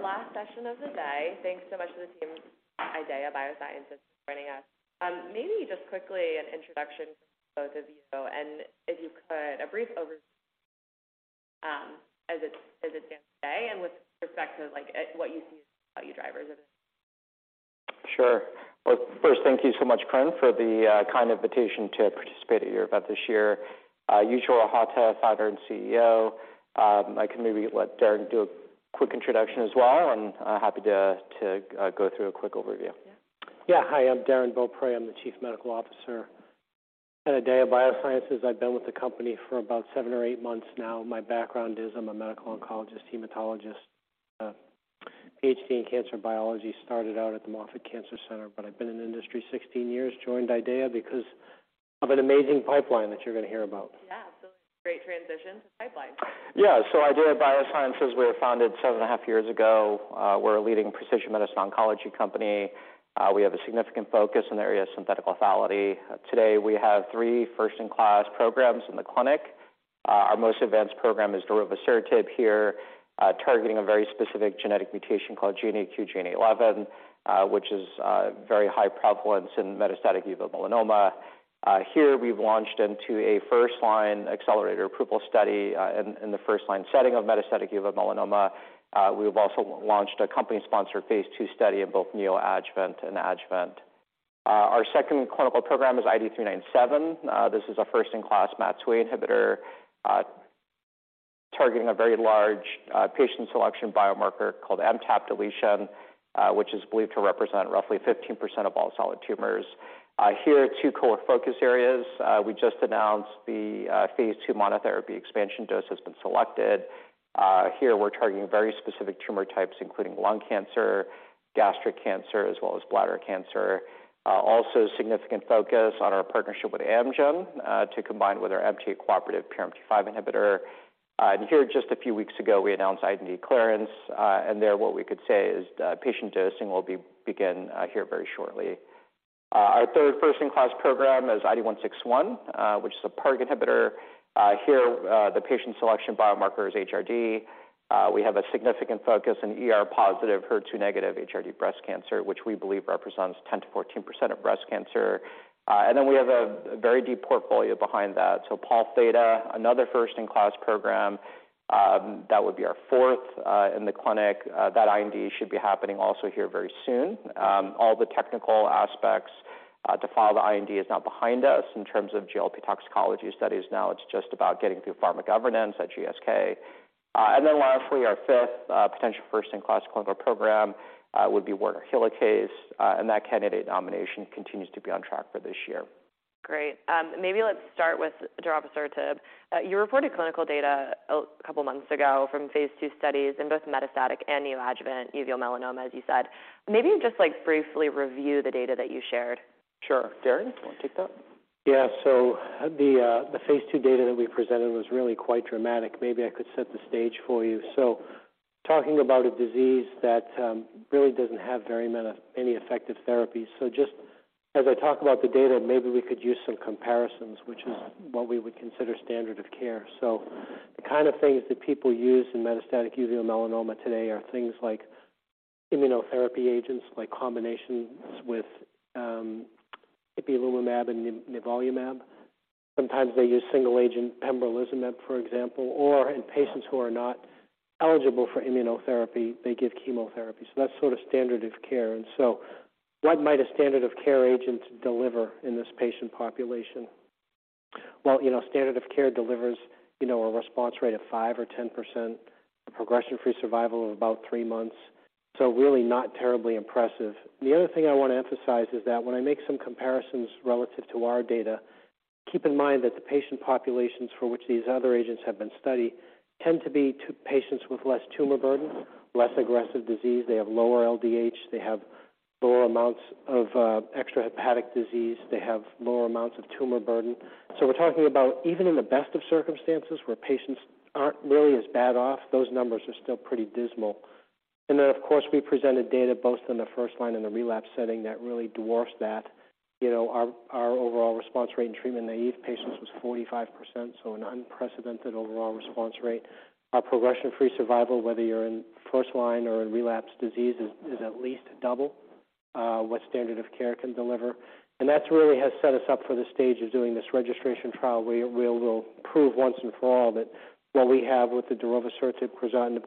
You there. For our last session of the day, thanks so much to the team, IDEAYA Biosciences, for joining us. Maybe just quickly an introduction from both of you, and if you could, a brief overview, as it stands today and with respect to, like, what you see as value drivers of it. Sure. Well, first, thank you so much, Corinne, for the kind invitation to participate at your event this year. Yujiro Hata, founder and CEO. I can maybe let Darren do a quick introduction as well, and happy to go through a quick overview. Hi, I'm Darrin Beaupre. I'm the Chief Medical Officer at IDEAYA Biosciences. I've been with the company for about 7 or 8 months now. My background is I'm a medical oncologist, hematologist, PhD in cancer biology, started out at the Moffitt Cancer Center, but I've been in the industry 16 years, joined IDEAYA because of an amazing pipeline that you're going to hear about. Yeah, great transition, pipeline. IDEAYA Biosciences, we were founded 7.5 years ago. We're a leading precision medicine oncology company. We have a significant focus in the area of synthetic lethality. Today, we have three first-in-class programs in the clinic. Our most advanced program is darovasertib here, targeting a very specific genetic mutation called GNAQ, GNA11, which is very high prevalence in metastatic uveal melanoma. Here we've launched into a first-line accelerator approval study in the first-line setting of metastatic uveal melanoma. We've also launched a company-sponsored Phase II study in both neoadjuvant and adjuvant. Our second clinical program is IDE397. This is a first-in-class MAT2A inhibitor, targeting a very large patient selection biomarker called MTAP deletion, which is believed to represent roughly 15% of all solid tumors. Here are two core focus areas. We just announced the Phase II monotherapy expansion dose has been selected. Here we're targeting very specific tumor types, including lung cancer, gastric cancer, as well as bladder cancer. Also significant focus on our partnership with Amgen to combine with our MTA-cooperative PRMT5 inhibitor. Here, just a few weeks ago, we announced IND clearance, and there what we could say is that patient dosing will begin here very shortly. Our third first-in-class program is IDE161, which is a PARP inhibitor. Here, the patient selection biomarker is HRD. We have a significant focus in ER-positive, HER2-negative HRD breast cancer, which we believe represents 10%-14% of breast cancer. Then we have a very deep portfolio behind that. Pol Theta, another first-in-class program, that would be our fourth in the clinic. That IND should be happening also here very soon. All the technical aspects to file the IND is now behind us in terms of GLP toxicology studies. Now it's just about getting through pharma governance at GSK. Lastly, our fifth potential first-in-class clinical program would be Werner helicase, and that candidate nomination continues to be on track for this year. Great. Maybe let's start with darovasertib. You reported clinical data a couple of months ago from Phase II studies in both metastatic and neoadjuvant uveal melanoma, as you said. Maybe just, like, briefly review the data that you shared. Sure. Darrin, want to take that? Yeah. The Phase II data that we presented was really quite dramatic. Maybe I could set the stage for you. Talking about a disease that really doesn't have any effective therapies. Just as I talk about the data, maybe we could use some comparisons, which is. Uh-hmm. What we would consider standard of care. The kind of things that people use in metastatic uveal melanoma today are things like immunotherapy agents, like combinations with ipilimumab and nivolumab. Sometimes they use single agent pembrolizumab, for example, or in patients who are not eligible for immunotherapy, they give chemotherapy. That's sort of standard of care. What might a standard of care agent deliver in this patient population? You know, standard of care delivers, you know, a response rate of 5% or 10%, a progression-free survival of about 3 months. Really not terribly impressive. The other thing I want to emphasize is that when I make some comparisons relative to our data, keep in mind that the patient populations for which these other agents have been studied tend to be to patients with less tumor burden, less aggressive disease. They have lower LDH. They have lower amounts of extrahepatic disease. They have lower amounts of tumor burden. We're talking about even in the best of circumstances, where patients aren't really as bad off, those numbers are still pretty dismal. Of course, we presented data both in the first line and the relapse setting that really dwarfs that. You know, our overall response rate in treatment-naive patients was 45%, so an unprecedented overall response rate. Our progression-free survival, whether you're in first line or in relapse disease, is at least double what standard of care can deliver. That's really has set us up for the stage of doing this registration trial, where we will prove once and for all that what we have with the darovasertib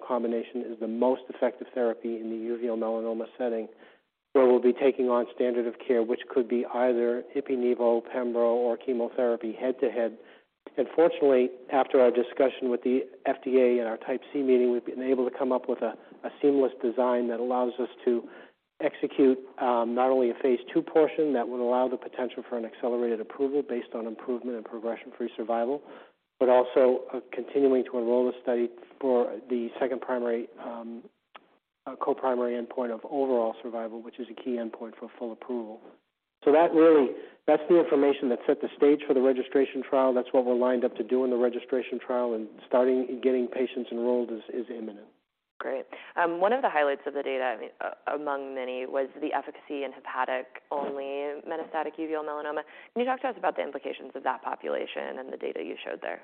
combination is the most effective therapy in the uveal melanoma setting, where we'll be taking on standard of care, which could be either Ipi-Nivo, pembro, or chemotherapy head-to-head. Fortunately, after our discussion with the FDA in our Type C meeting, we've been able to come up with a seamless design that allows us to execute not only a Phase II portion that would allow the potential for an accelerated approval based on improvement in progression-free survival, but also continuing to enroll the study for the second primary co-primary endpoint of overall survival, which is a key endpoint for full approval. That really that's the information that set the stage for the registration trial. That's what we're lined up to do in the registration trial, and starting getting patients enrolled is imminent. Great. One of the highlights of the data, among many, was the efficacy in hepatic-only metastatic uveal melanoma. Can you talk to us about the implications of that population and the data you showed there?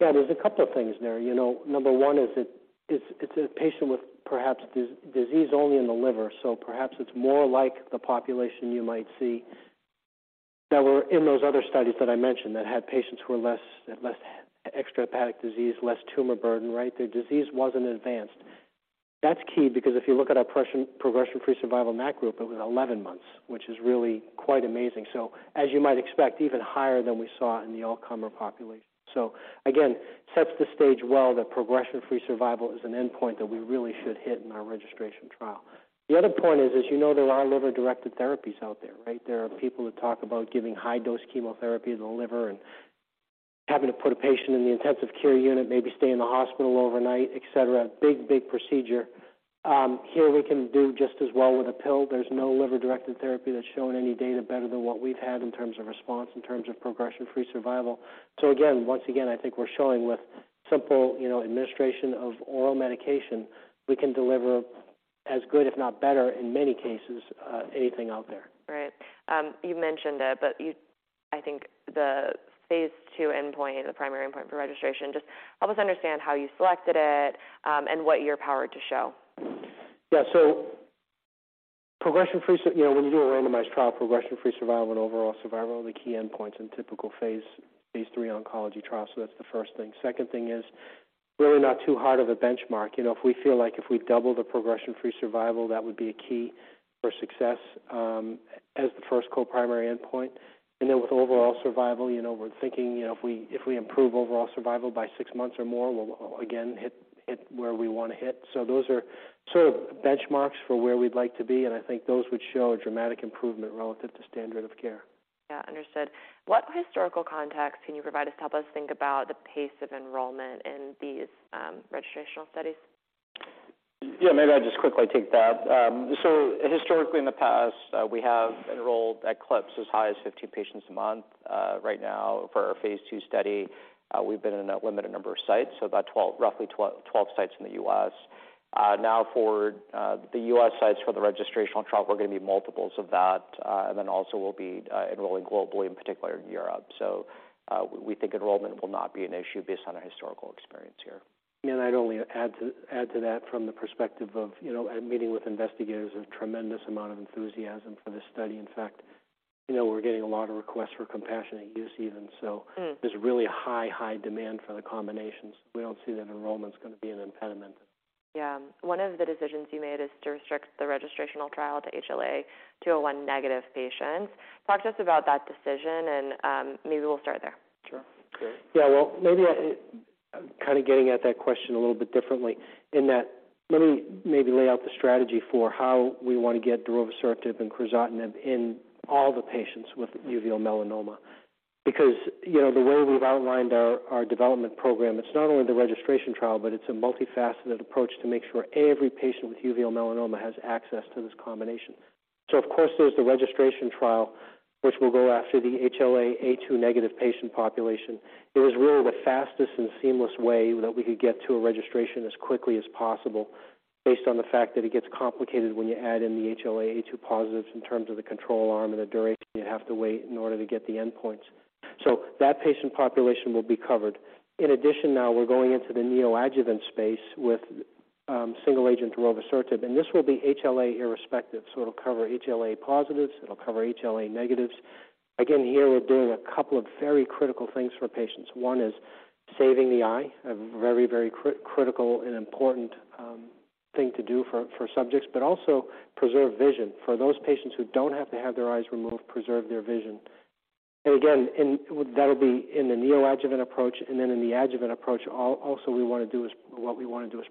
Yeah, there's a couple of things there. You know, number one is it's, it's a patient with perhaps disease only in the liver, so perhaps it's more like the population you might see that were in those other studies that I mentioned, that had patients who were less, had less extrahepatic disease, less tumor burden, right? Their disease wasn't advanced. That's key because if you look at our progression-free survival in that group, it was 11 months, which is really quite amazing. As you might expect, even higher than we saw in the all-comer population. Again, sets the stage well that progression-free survival is an endpoint that we really should hit in our registration trial. The other point is, as you know, there are liver-directed therapies out there, right? There are people who talk about giving high-dose chemotherapy in the liver and having to put a patient in the intensive care unit, maybe stay in the hospital overnight, et cetera. Big, big procedure. Here we can do just as well with a pill. There's no liver-directed therapy that's shown any data better than what we've had in terms of response, in terms of progression-free survival. Again, once again, I think we're showing with simple, you know, administration of oral medication, we can deliver as good, if not better, in many cases, anything out there. Right. You mentioned it, but I think the Phase II endpoint, the primary endpoint for registration, just help us understand how you selected it, and what you're powered to show? Progression-free, you know, when you do a randomized trial, progression-free survival and overall survival are the key endpoints in typical Phase III oncology trials. That's the first thing. Second thing is, really not too hard of a benchmark. You know, if we feel like if we double the progression-free survival, that would be a key for success as the first co-primary endpoint. With overall survival, you know, we're thinking, you know, if we improve overall survival by 6 months or more, we'll again, hit where we want to hit. Those are sort of benchmarks for where we'd like to be, and I think those would show a dramatic improvement relative to standard of care. Yeah, understood. What historical context can you provide us to help us think about the pace of enrollment in these registrational studies? Yeah, maybe I'll just quickly take that. Historically, in the past, we have enrolled at clips as high as 50 patients a month. Right now, for our Phase II study, we've been in a limited number of sites, so about 12, roughly 12 sites in the U.S. Now, for the U.S. sites, for the registrational trial, we're going to be multiples of that, and then also we'll be enrolling globally, in particular in Europe. We think enrollment will not be an issue based on our historical experience here. I'd only add to that from the perspective of, you know, meeting with investigators, a tremendous amount of enthusiasm for this study. In fact, you know, we're getting a lot of requests for compassionate use even so. Mm. There's really a high demand for the combinations. We don't see that enrollment's going to be an impediment. Yeah. One of the decisions you made is to restrict the registrational trial to HLA-A2 negative patients. Talk to us about that decision. Maybe we'll start there. Sure. Sure. Well, maybe I-- kind of getting at that question a little bit differently in that let me maybe lay out the strategy for how we want to get darovasertib and crizotinib in all the patients with uveal melanoma. You know, the way we've outlined our development program, it's not only the registration trial, but it's a multifaceted approach to make sure every patient with uveal melanoma has access to this combination. Of course, there's the registration trial, which will go after the HLA-A2 negative patient population. It was really the fastest and seamless way that we could get to a registration as quickly as possible, based on the fact that it gets complicated when you add in the HLA-A2 positives in terms of the control arm and the duration you have to wait in order to get the endpoints. That patient population will be covered. In addition, now, we're going into the neoadjuvant space with single agent darovasertib, and this will be HLA irrespective. It'll cover HLA positives, it'll cover HLA negatives. Again, here, we're doing a couple of very critical things for patients. One is saving the eye, a very, very critical and important thing to do for subjects, but also preserve vision. For those patients who don't have to have their eyes removed, preserve their vision. Again, that'll be in the neoadjuvant approach, then in the adjuvant approach, also, what we want to do is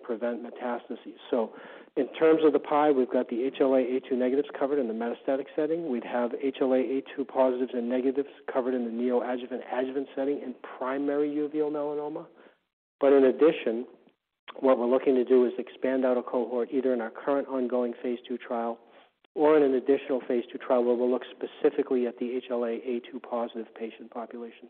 prevent metastases. In terms of the pie, we've got the HLA-A2 negatives covered in the metastatic setting. We'd have HLA-A2 positives and negatives covered in the neoadjuvant/adjuvant setting in primary uveal melanoma. In addition, what we're looking to do is expand out a cohort, either in our current ongoing Phase II trial or in an additional Phase IItrial, where we'll look specifically at the HLA-A2 positive patient population.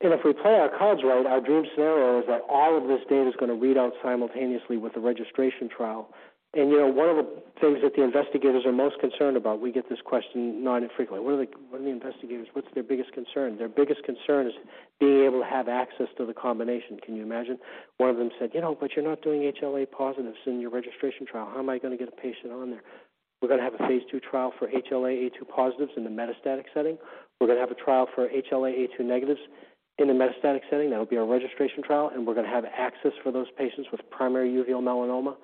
If we play our cards right, our dream scenario is that all of this data is going to read out simultaneously with the registration trial. You know, one of the things that the investigators are most concerned about, we get this question nine and frequently: "What are the investigators, what's their biggest concern?" Their biggest concern is being able to have access to the combination. Can you imagine? One of them said: "You know, but you're not doing HLA positives in your registration trial. How am I going to get a patient on there?" We're going to have a Phase II trial for HLA-A2 positives in the metastatic setting. We're going to have a trial for HLA-A2 negatives in the metastatic setting. That'll be our registration trial. We're going to have access for those patients with primary uveal melanoma,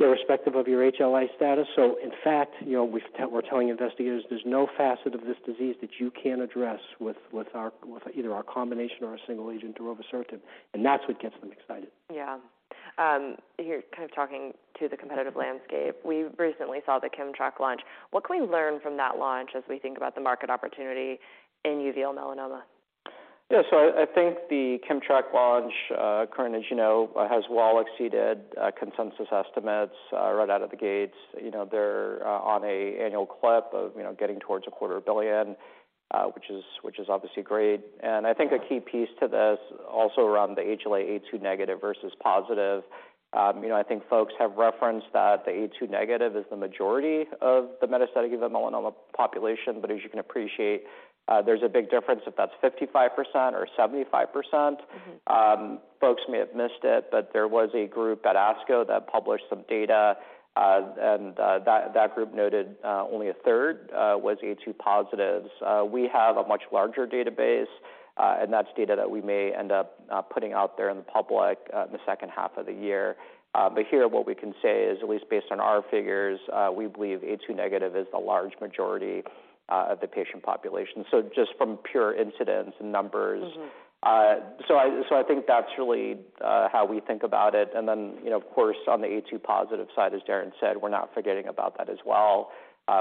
irrespective of your HLA status. In fact, you know, we're telling investigators there's no facet of this disease that you can't address with our, with either our combination or our single agent, darovasertib, and that's what gets them excited. Yeah. Here, kind of talking to the competitive landscape, we recently saw the KIMMTRAK launch. What can we learn from that launch as we think about the market opportunity in uveal melanoma? I think the KIMMTRAK launch, current, as you know, has well exceeded consensus estimates right out of the gates. They're on an annual clip of, you know, getting towards a quarter billion, which is obviously great. I think a key piece to this also around the HLA-A2 negative versus positive. You know, I think folks have referenced that the A2 negative is the majority of the metastatic uveal melanoma population, but as you can appreciate, there's a big difference if that's 55% or 75%. Mm-hmm. Folks may have missed it, but there was a group at ASCO that published some data, and that group noted only a third was A2 positives. We have a much larger database, and that's data that we may end up putting out there in the public in the second half of the year. Here, what we can say is, at least based on our figures, we believe A2 negative is the large majority of the patient population. Just from pure incidence and numbers. Mm-hmm. I think that's really how we think about it. You know, of course, on the A2 positive side, as Darren said, we're not forgetting about that as well.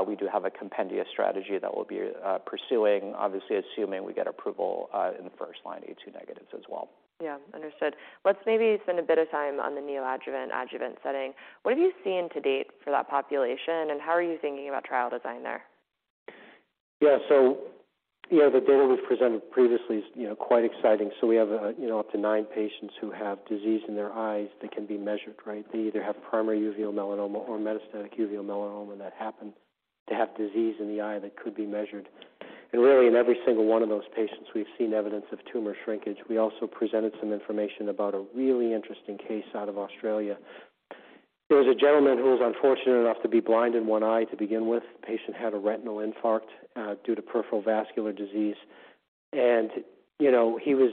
We do have a comprehensive strategy that we'll be pursuing, obviously, assuming we get approval, in the first line, A2 negatives as well. Yeah, understood. Let's maybe spend a bit of time on the neoadjuvant/adjuvant setting. What have you seen to date for that population, and how are you thinking about trial design there? Yeah. you know, the data we've presented previously is, you know, quite exciting. We have, you know, up to nine patients who have disease in their eyes that can be measured, right? They either have primary uveal melanoma or metastatic uveal melanoma that happen to have disease in the eye that could be measured. Really, in every single one of those patients, we've seen evidence of tumor shrinkage. We also presented some information about a really interesting case out of Australia. There was a gentleman who was unfortunate enough to be blind in one eye to begin with. The patient had a retinal infarct due to peripheral vascular disease. you know, he was,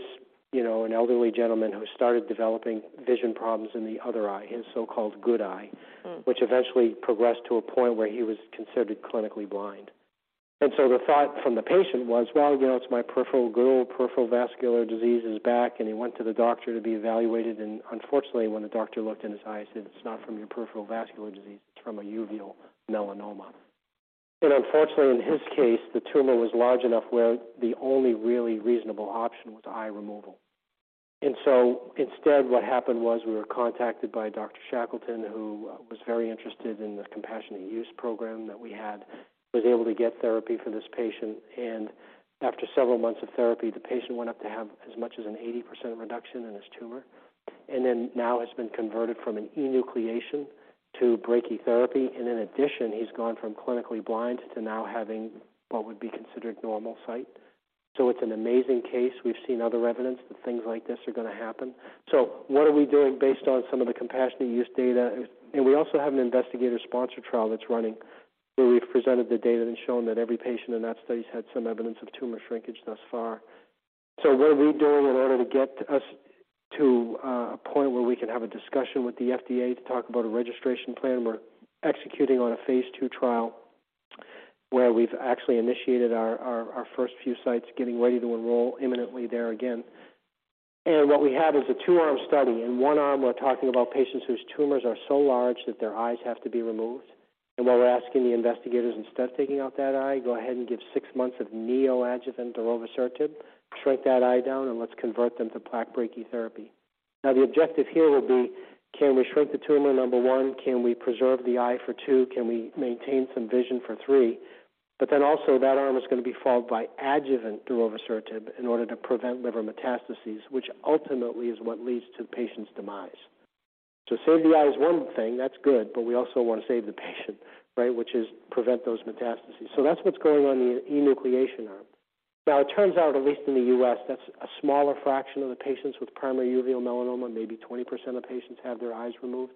you know, an elderly gentleman who started developing vision problems in the other eye, his so-called good eye. Mm. - which eventually progressed to a point where he was considered clinically blind. The thought from the patient was, "Well, you know, it's my good old peripheral vascular disease is back," He went to the doctor to be evaluated. Unfortunately, when the doctor looked in his eyes, he said, "It's not from your peripheral vascular disease, it's from a uveal melanoma." Unfortunately, in his case, the tumor was large enough where the only really reasonable option was eye removal. Instead, what happened was we were contacted by Dr. Shackleton, who was very interested in the compassionate use program that we had, was able to get therapy for this patient, and after several months of therapy, the patient went up to have as much as an 80% reduction in his tumor, and then now has been converted from an enucleation to brachytherapy. In addition, he's gone from clinically blind to now having what would be considered normal sight. It's an amazing case. We've seen other evidence that things like this are going to happen. What are we doing based on some of the compassionate use data? We also have an investigator-sponsored trial that's running, where we've presented the data and shown that every patient in that study has had some evidence of tumor shrinkage thus far. What are we doing in order to get us to a point where we can have a discussion with the FDA to talk about a registration plan? We're executing on a Phase II trial, where we've actually initiated our first few sites, getting ready to enroll imminently there again. What we have is a 2-arm study. In 1 arm, we're talking about patients whose tumors are so large that their eyes have to be removed. What we're asking the investigators, instead of taking out that eye, go ahead and give 6 months of neoadjuvant darovasertib, shrink that eye down, and let's convert them to plaque brachytherapy. The objective here will be, can we shrink the tumor, number 1? Can we preserve the eye for 2? Can we maintain some vision for 3? Also, that arm is going to be followed by adjuvant darovasertib in order to prevent liver metastases, which ultimately is what leads to the patient's demise. Save the eye is one thing, that's good, we also want to save the patient, right? Which is prevent those metastases. That's what's going on in the enucleation arm. It turns out, at least in the US, that's a smaller fraction of the patients with primary uveal melanoma. Maybe 20% of patients have their eyes removed.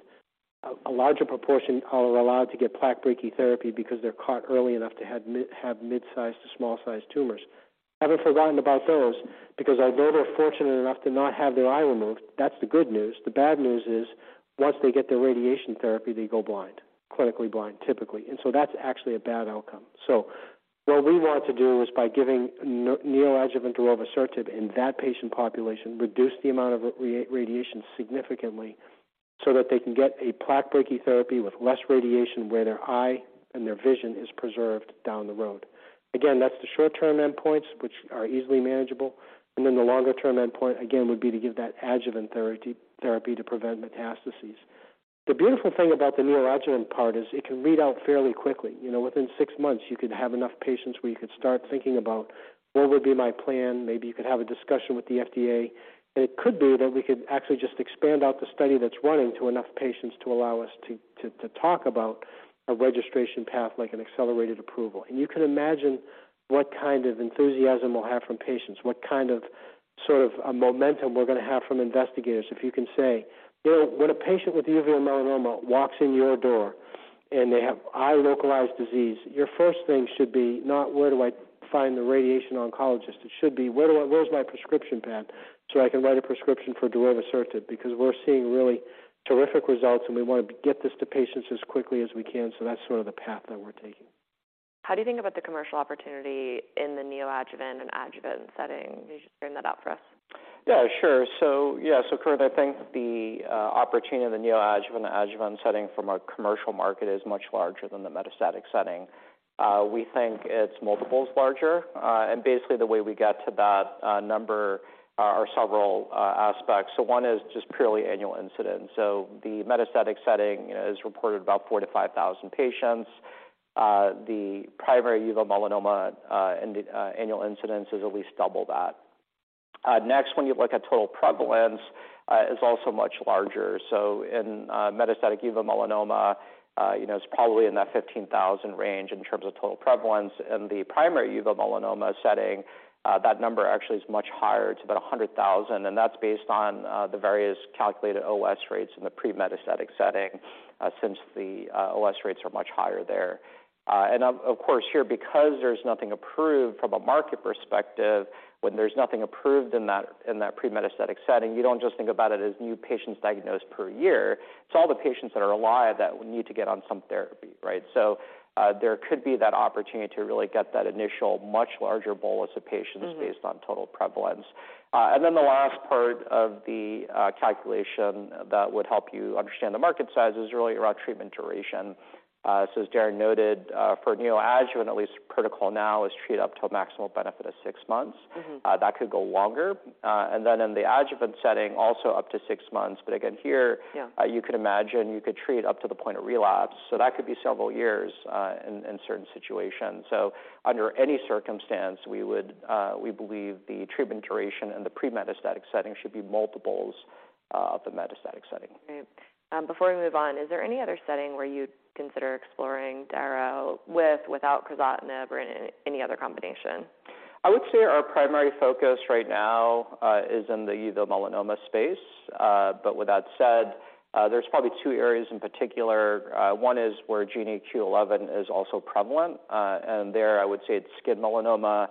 A larger proportion are allowed to get plaque brachytherapy because they're caught early enough to have mid-sized to small-sized tumors. Haven't forgotten about those because although they're fortunate enough to not have their eye removed, that's the good news. The bad news is, once they get their radiation therapy, they go blind, clinically blind, typically, that's actually a bad outcome. What we want to do is, by giving neoadjuvant darovasertib in that patient population, reduce the amount of radiation significantly so that they can get a plaque brachytherapy with less radiation, where their eye and their vision is preserved down the road. Again, that's the short-term endpoints, which are easily manageable. The longer-term endpoint, again, would be to give that adjuvant therapy to prevent metastases. The beautiful thing about the neoadjuvant part is it can read out fairly quickly. You know, within six months, you could have enough patients where you could start thinking about what would be my plan. Maybe you could have a discussion with the FDA, and it could be that we could actually just expand out the study that's running to enough patients to allow us to talk about a registration path like an accelerated approval. You can imagine what kind of enthusiasm we'll have from patients, what kind of, sort of a momentum we're going to have from investigators. If you can say, "Well, when a patient with uveal melanoma walks in your door, and they have eye-localized disease, your first thing should be not, where do I find the radiation oncologist? It should be, where's my prescription pad, so I can write a prescription for darovasertib?" We're seeing really terrific results, and we want to get this to patients as quickly as we can, so that's sort of the path that we're taking. How do you think about the commercial opportunity in the neoadjuvant and adjuvant setting? Can you just bring that out for us? Yeah, sure. Kurt, I think the opportunity in the neoadjuvant and adjuvant setting from a commercial market is much larger than the metastatic setting. We think it's multiples larger. And basically, the way we get to that number are several aspects. One is just purely annual incidence. The metastatic setting is reported about 4,000-5,000 patients. The primary uveal melanoma, and the annual incidence is at least double that. Next, when you look at total prevalence, is also much larger. In metastatic uveal melanoma, you know, it's probably in that 15,000 range in terms of total prevalence. In the primary uveal melanoma setting, that number actually is much higher. It's about $100,000. That's based on the various calculated OS rates in the pre-metastatic setting, since the OS rates are much higher there. Of course, here, because there's nothing approved from a market perspective, when there's nothing approved in that, in that pre-metastatic setting, you don't just think about it as new patients diagnosed per year. It's all the patients that are alive that would need to get on some therapy, right? There could be that opportunity to really get that initial much larger bolus of patients- Mm-hmm. -based on total prevalence. The last part of the calculation that would help you understand the market size is really around treatment duration. As Darren noted, for neoadjuvant, at least protocol now is treat up to a maximal benefit of six months. Mm-hmm. That could go longer. In the adjuvant setting, also up to 6 months, but again. Yeah... you could imagine you could treat up to the point of relapse, so that could be several years in certain situations. Under any circumstance, we would, we believe the treatment duration in the pre-metastatic setting should be multiples of the metastatic setting. Great. Before we move on, is there any other setting where you'd consider exploring Daro without crizotinib or any other combination? I would say our primary focus right now, is in the uveal melanoma space. With that said, there's probably two areas in particular. One is where GNAQ/GNA11 is also prevalent, and there I would say it's skin melanoma,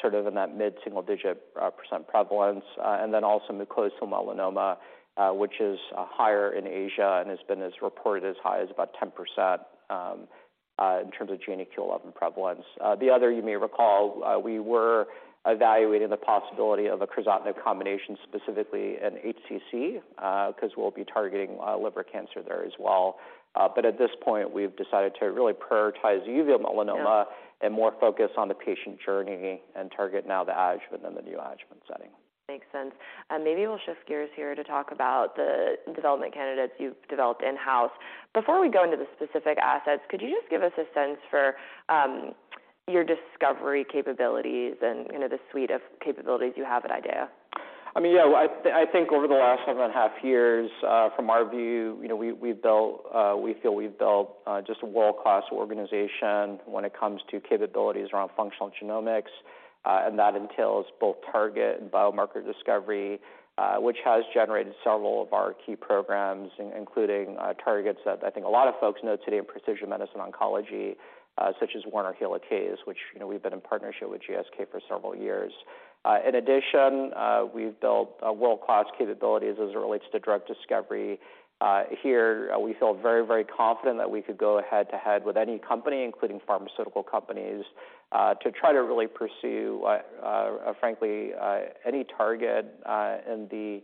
sort of in that mid-single digit, percent prevalence, and then also mucosal melanoma, which is, higher in Asia and has been as reported as high as about 10%, in terms of GNAQ/GNA11 prevalence. The other, you may recall, we were evaluating the possibility of a crizotinib combination, specifically in HCC, 'cause we'll be targeting, liver cancer there as well. At this point, we've decided to really prioritize uveal melanoma. Yeah... and more focus on the patient journey and target now the adjuvant than the neoadjuvant setting. Makes sense. Maybe we'll shift gears here to talk about the development candidates you've developed in-house. Before we go into the specific assets, could you just give us a sense for your discovery capabilities and, you know, the suite of capabilities you have at IDEAYA? I mean, yeah, I think over the last 7.5 years, from our view, you know, we've built, we feel we've built just a world-class organization when it comes to capabilities around functional genomics, and that entails both target and biomarker discovery, which has generated several of our key programs, including targets that I think a lot of folks know today in precision medicine oncology, such as Werner helicase, which, you know, we've been in partnership with GSK for several years. In addition, we've built a world-class capabilities as it relates to drug discovery. Here, we feel very, very confident that we could go head-to-head with any company, including pharmaceutical companies, to try to really pursue, frankly, any target in the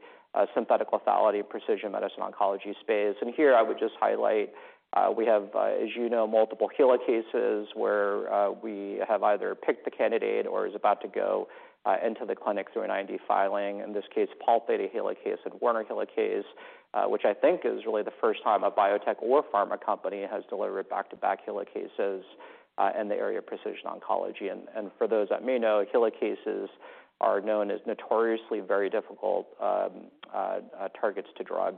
synthetic lethality precision medicine oncology space. Here I would just highlight, we have, as you know, multiple helicases where we have either picked the candidate or is about to go into the clinic through an IND filing, in this case, Pol Theta helicase and Werner helicase, which I think is really the first time a biotech or pharma company has delivered back-to-back helicases in the area of precision oncology. For those that may know, helicases are known as notoriously very difficult targets to drug.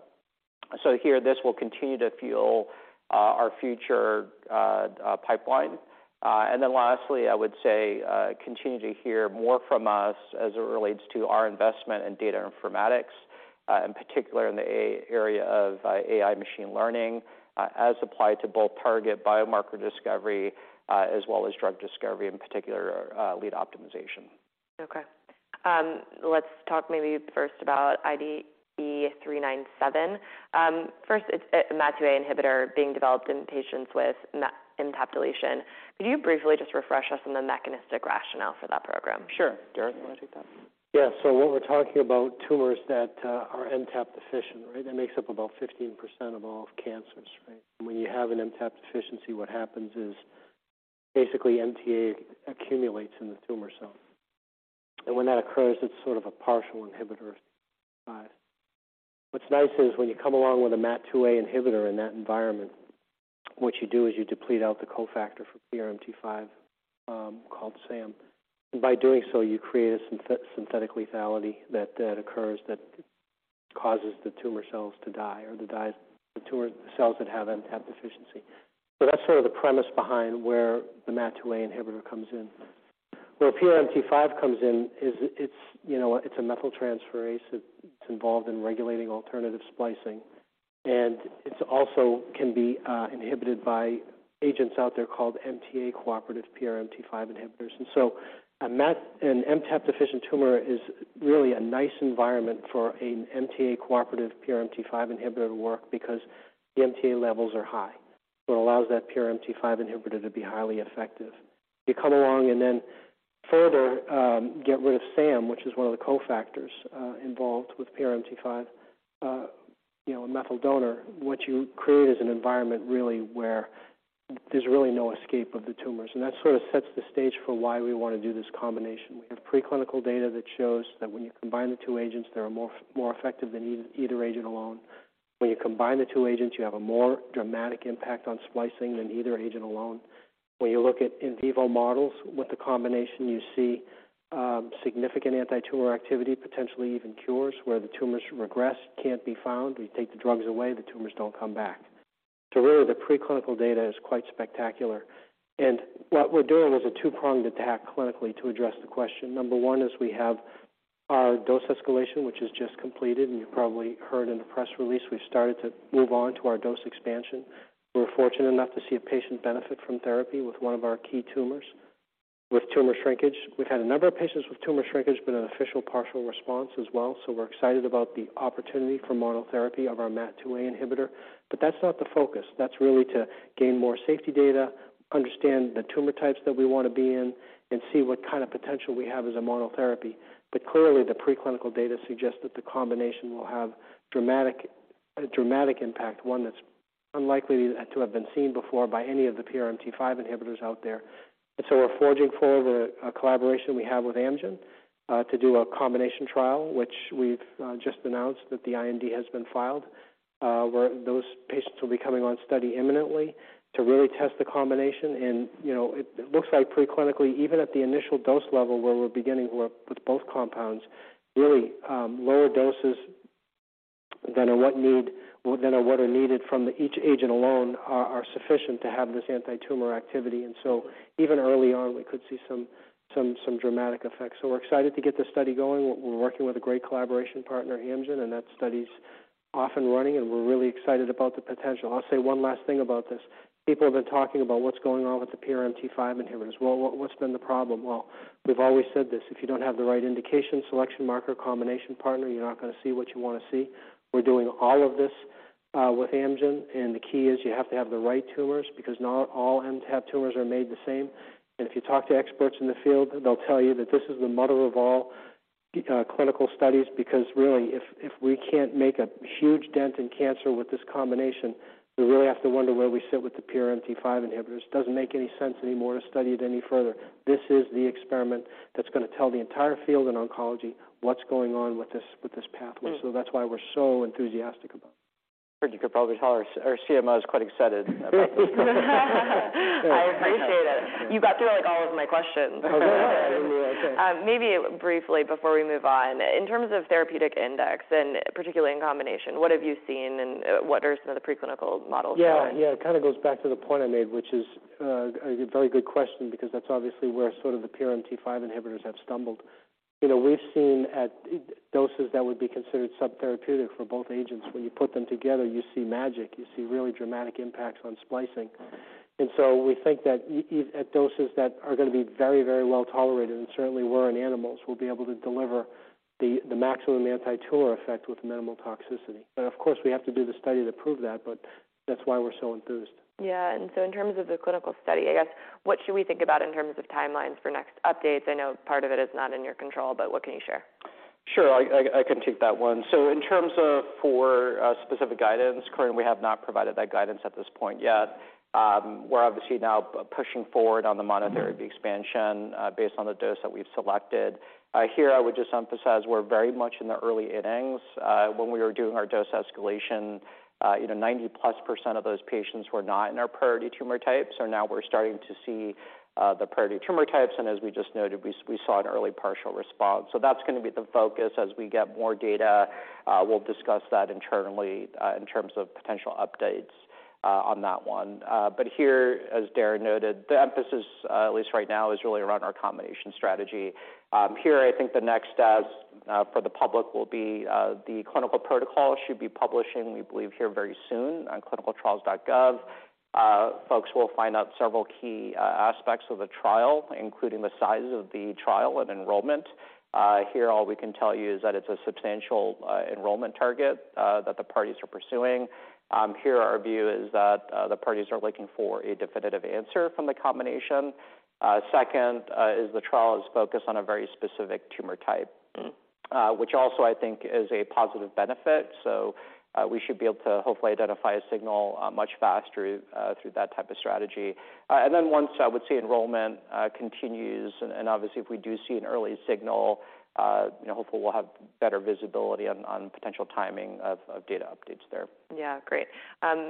Here, this will continue to fuel our future pipeline. Lastly, I would say, continue to hear more from us as it relates to our investment in data informatics, in particular in the area of AI machine learning, as applied to both target biomarker discovery, as well as drug discovery, in particular, lead optimization. Okay. Let's talk maybe first about IDE397. First, it's a MAT2A inhibitor being developed in patients with MTAP deletion. Could you briefly just refresh us on the mechanistic rationale for that program? Sure. Darren, you want to take that? What we're talking about, tumors that are MTAP deficient, right? That makes up about 15% of all cancers, right? When you have an MTAP deficiency, what happens is basically MTA accumulates in the tumor cell. When that occurs, it's sort of a partial inhibitor. What's nice is when you come along with a MAT2A inhibitor in that environment, what you do is you deplete out the cofactor from PRMT5, called SAM, and by doing so, you create a synthetic lethality that occurs, that causes the tumor cells to die, the tumor cells that have MTAP deficiency. That's sort of the premise behind where the MAT2A inhibitor comes in. Where PRMT5 comes in is it's, you know, it's a methyltransferase that's involved in regulating alternative splicing, and it's also can be inhibited by agents out there called MTA-cooperative PRMT5 inhibitors. A MTAP-deficient tumor is really a nice environment for a MTA-cooperative PRMT5 inhibitor to work because the MTA levels are high, so it allows that PRMT5 inhibitor to be highly effective. You come along and then further get rid of SAM, which is one of the cofactors involved with PRMT5, you know, a methyl donor, what you create is an environment really where there's really no escape of the tumors. That sort of sets the stage for why we want to do this combination. We have preclinical data that shows that when you combine the two agents, they are more effective than either agent alone. When you combine the two agents, you have a more dramatic impact on splicing than either agent alone. When you look at in vivo models with the combination, you see significant antitumor activity, potentially even cures, where the tumors regress, can't be found. We take the drugs away, the tumors don't come back. Really, the preclinical data is quite spectacular. What we're doing is a two-pronged attack clinically to address the question. Number one is we have our dose escalation, which is just completed, and you probably heard in the press release, we've started to move on to our dose expansion. We're fortunate enough to see a patient benefit from therapy with one of our key tumors. With tumor shrinkage, we've had a number of patients with tumor shrinkage, but an official partial response as well, so we're excited about the opportunity for monotherapy of our MAT2A inhibitor. That's not the focus. That's really to gain more safety data, understand the tumor types that we want to be in, and see what kind of potential we have as a monotherapy. Clearly, the preclinical data suggests that the combination will have dramatic, a dramatic impact, one that's unlikely to have been seen before by any of the PRMT5 inhibitors out there. We're forging forward a collaboration we have with Amgen to do a combination trial, which we've just announced that the IND has been filed, where those patients will be coming on study imminently to really test the combination. You know, it looks like preclinically, even at the initial dose level, where we're beginning work with both compounds, really, lower doses than are what are needed from each agent alone are sufficient to have this antitumor activity. Even early on, we could see some dramatic effects. We're excited to get this study going. We're working with a great collaboration partner, Amgen, and that study's off and running, and we're really excited about the potential. I'll say one last thing about this. People have been talking about what's going on with the PRMT5 inhibitors. Well, what's been the problem? Well, we've always said this: If you don't have the right indication, selection marker, combination partner, you're not going to see what you want to see. We're doing all of this with Amgen. The key is you have to have the right tumors, because not all MTAP tumors are made the same. If you talk to experts in the field, they'll tell you that this is the mother of all clinical studies, because really, if we can't make a huge dent in cancer with this combination, we really have to wonder where we sit with the PRMT5 inhibitors. It doesn't make any sense anymore to study it any further. This is the experiment that's going to tell the entire field in oncology what's going on with this, with this pathway. That's why we're so enthusiastic about it. You could probably tell our CMO is quite excited about this. I appreciate it. You got through, like, all of my questions. Oh, good. Okay. Maybe briefly before we move on, in terms of therapeutic index and particularly in combination, what have you seen and what are some of the preclinical models showing? Yeah, yeah. It kind of goes back to the point I made, which is a very good question because that's obviously where sort of the PRMT5 inhibitors have stumbled. You know, we've seen at doses that would be considered subtherapeutic for both agents, when you put them together, you see magic. You see really dramatic impacts on splicing. We think that at doses that are going to be very, very well tolerated and certainly were in animals, we'll be able to deliver the maximum antitumor effect with minimal toxicity. Of course, we have to do the study to prove that, but that's why we're so enthused. Yeah, in terms of the clinical study, I guess, what should we think about in terms of timelines for next updates? I know part of it is not in your control, but what can you share? Sure, I can take that one. In terms of for specific guidance, currently, we have not provided that guidance at this point yet. We're obviously now pushing forward on the monotherapy expansion, based on the dose that we've selected. Here, I would just emphasize we're very much in the early innings. When we were doing our dose escalation, you know, 90+% of those patients were not in our priority tumor type. Now we're starting to see the priority tumor types, and as we just noted, we saw an early partial response. That's going to be the focus. As we get more data, we'll discuss that internally, in terms of potential updates on that one. Here, as Darren noted, the emphasis, at least right now, is really around our combination strategy. Here, I think the next steps, for the public will be, the clinical protocol should be publishing, we believe, here very soon on ClinicalTrials.gov. Folks will find out several key aspects of the trial, including the size of the trial and enrollment. Here, all we can tell you is that it's a substantial enrollment target that the parties are pursuing. Here, our view is that the parties are looking for a definitive answer from the combination. Second, is the trial is focused on a very specific tumor type, which also I think is a positive benefit. We should be able to hopefully identify a signal much faster through that type of strategy. Once I would say enrollment continues, and obviously, if we do see an early signal, you know, hopefully we'll have better visibility on potential timing of data updates there. Yeah, great.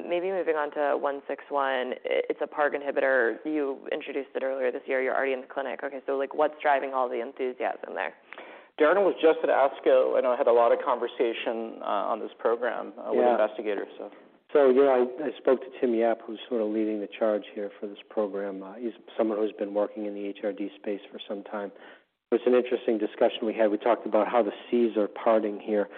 maybe moving on to 161. It's a PARP inhibitor. You introduced it earlier this year. You're already in the clinic. like, what's driving all the enthusiasm there? Darren was just at ASCO. I had a lot of conversation on this program. Yeah -with investigators, so. Yeah, I spoke to Tim Yap, who's sort of leading the charge here for this program. He's someone who's been working in the HRD space for some time. It's an interesting discussion we had. We talked about how the seas are parting here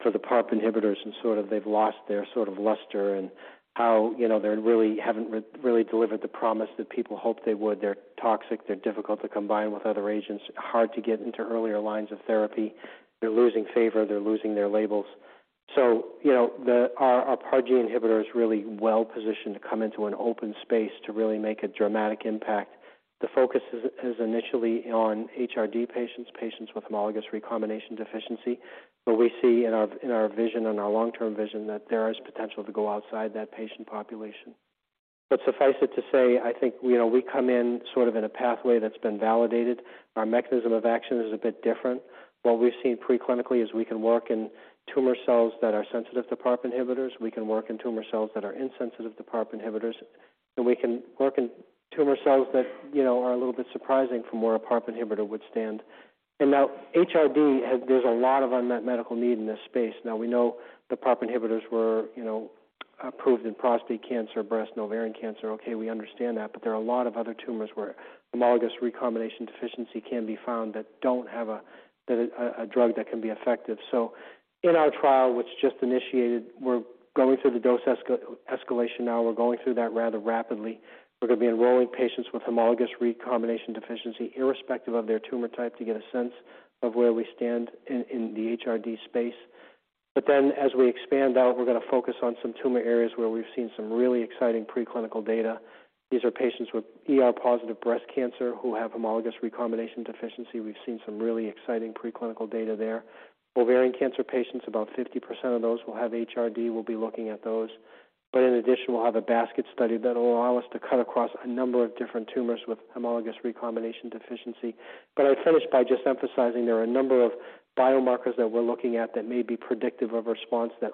for the PARP inhibitors, and sort of they've lost their sort of luster and how, you know, they really haven't really delivered the promise that people hoped they would. They're toxic, they're difficult to combine with other agents, hard to get into earlier lines of therapy. They're losing favor, they're losing their labels. You know, our PARG inhibitor is really well-positioned to come into an open space to really make a dramatic impact. The focus is initially on HRD patients with homologous recombination deficiency, we see in our vision and our long-term vision that there is potential to go outside that patient population. Suffice it to say, I think, you know, we come in sort of in a pathway that's been validated. Our mechanism of action is a bit different. What we've seen preclinically is we can work in tumor cells that are sensitive to PARP inhibitors, we can work in tumor cells that are insensitive to PARP inhibitors, and we can work in tumor cells that, you know, are a little bit surprising from where a PARP inhibitor would stand. Now HRD, there's a lot of unmet medical need in this space. We know the PARP inhibitors were, you know, approved in prostate cancer, breast, and ovarian cancer. Okay, we understand that, but there are a lot of other tumors where homologous recombination deficiency can be found that don't have a drug that can be effective. In our trial, which just initiated, we're going through the dose escalation now. We're going through that rather rapidly. We're going to be enrolling patients with homologous recombination deficiency, irrespective of their tumor type, to get a sense of where we stand in the HRD space. As we expand out, we're going to focus on some tumor areas where we've seen some really exciting preclinical data. These are patients with ER-positive breast cancer who have homologous recombination deficiency. We've seen some really exciting preclinical data there. Ovarian cancer patients, about 50% of those will have HRD. We'll be looking at those. In addition, we'll have a basket study that will allow us to cut across a number of different tumors with homologous recombination deficiency. I'd finish by just emphasizing there are a number of biomarkers that we're looking at that may be predictive of a response that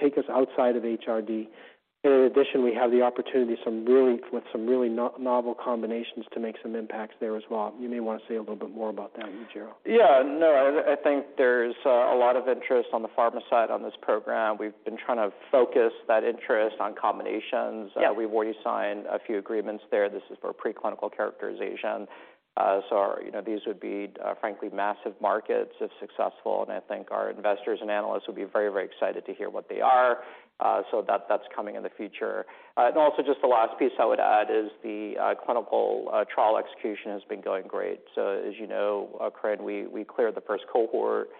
take us outside of HRD. In addition, we have the opportunity, with some really novel combinations to make some impacts there as well. You may want to say a little bit more about that, Eijiro. Yeah, no, I think there's a lot of interest on the pharma side on this program. We've been trying to focus that interest on combinations. Yeah. We've already signed a few agreements there. This is for preclinical characterization. You know, these would be, frankly, massive markets if successful, and I think our investors and analysts would be very, very excited to hear what they are. That's coming in the future. Just the last piece I would add is the clinical trial execution has been going great. As you know, Craig, we cleared the first cohort.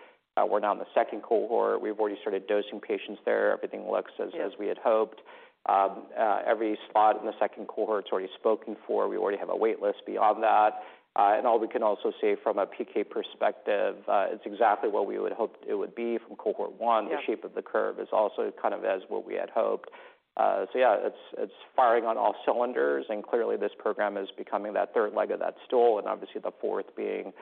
We're now in the second cohort. We've already started dosing patients there. Everything looks as-. Yeah... as we had hoped. Every spot in the 2nd cohort is already spoken for. We already have a wait list beyond that. All we can also say from a PK perspective, it's exactly what we would hope it would be from cohort 1. Yeah. The shape of the curve is also kind of as what we had hoped. Yeah, it's firing on all cylinders, and clearly, this program is becoming that third leg of that stool, and obviously the fourth being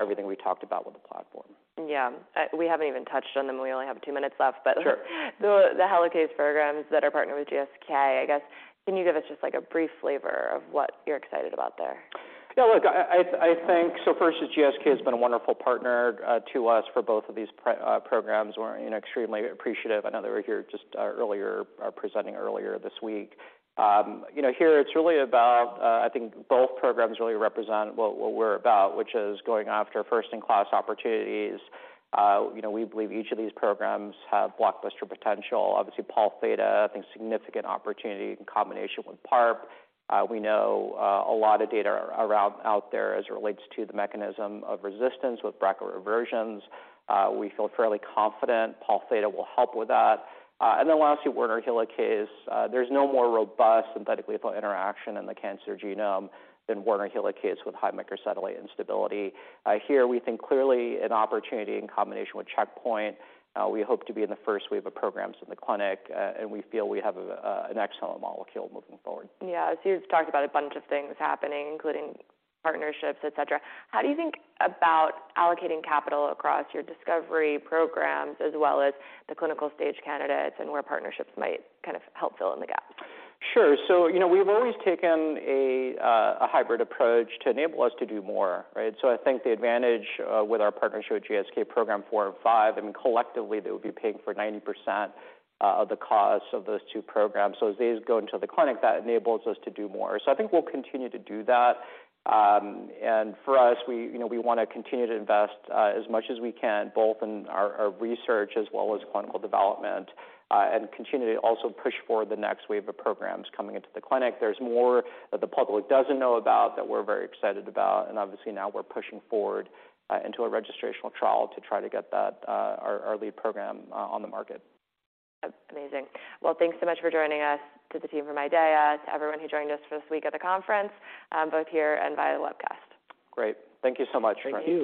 everything we talked about with the platform. Yeah. We haven't even touched on them. We only have 2 minutes left. Sure. The helicase programs that are partnered with GSK, I guess, can you give us just, like, a brief flavor of what you're excited about there? Yeah, look, I think GSK has been a wonderful partner to us for both of these programs. We're, you know, extremely appreciative. I know they were here just earlier presenting earlier this week. You know, here it's really about, I think both programs really represent what we're about, which is going after first-in-class opportunities. You know, we believe each of these programs have blockbuster potential. Obviously, Pol Theta, I think significant opportunity in combination with PARP. We know a lot of data out there as it relates to the mechanism of resistance with BRCA versions. We feel fairly confident Pol Theta will help with that. Lastly, Werner helicase. There's no more robust synthetically interaction in the cancer genome than Werner helicase with high microsatellite instability. Here we think clearly an opportunity in combination with checkpoint. We hope to be in the first wave of programs in the clinic, and we feel we have an excellent molecule moving forward. Yeah. You've talked about a bunch of things happening, including partnerships, et cetera. How do you think about allocating capital across your discovery programs, as well as the clinical stage candidates and where partnerships might kind of help fill in the gaps? Sure. You know, we've always taken a hybrid approach to enable us to do more, right? I think the advantage with our partnership with GSK, program 4 and 5, I mean, collectively, they will be paying for 90% of the cost of those two programs. As these go into the clinic, that enables us to do more. I think we'll continue to do that. For us, we, you know, we want to continue to invest as much as we can, both in our research as well as clinical development, and continue to also push for the next wave of programs coming into the clinic. There's more that the public doesn't know about that we're very excited about, and obviously now we're pushing forward into a registrational trial to try to get that, our lead program on the market. Amazing. Well, thanks so much for joining us, to the team from IDEAYA, to everyone who joined us for this week at the conference, both here and via webcast. Great. Thank you so much. Thank you.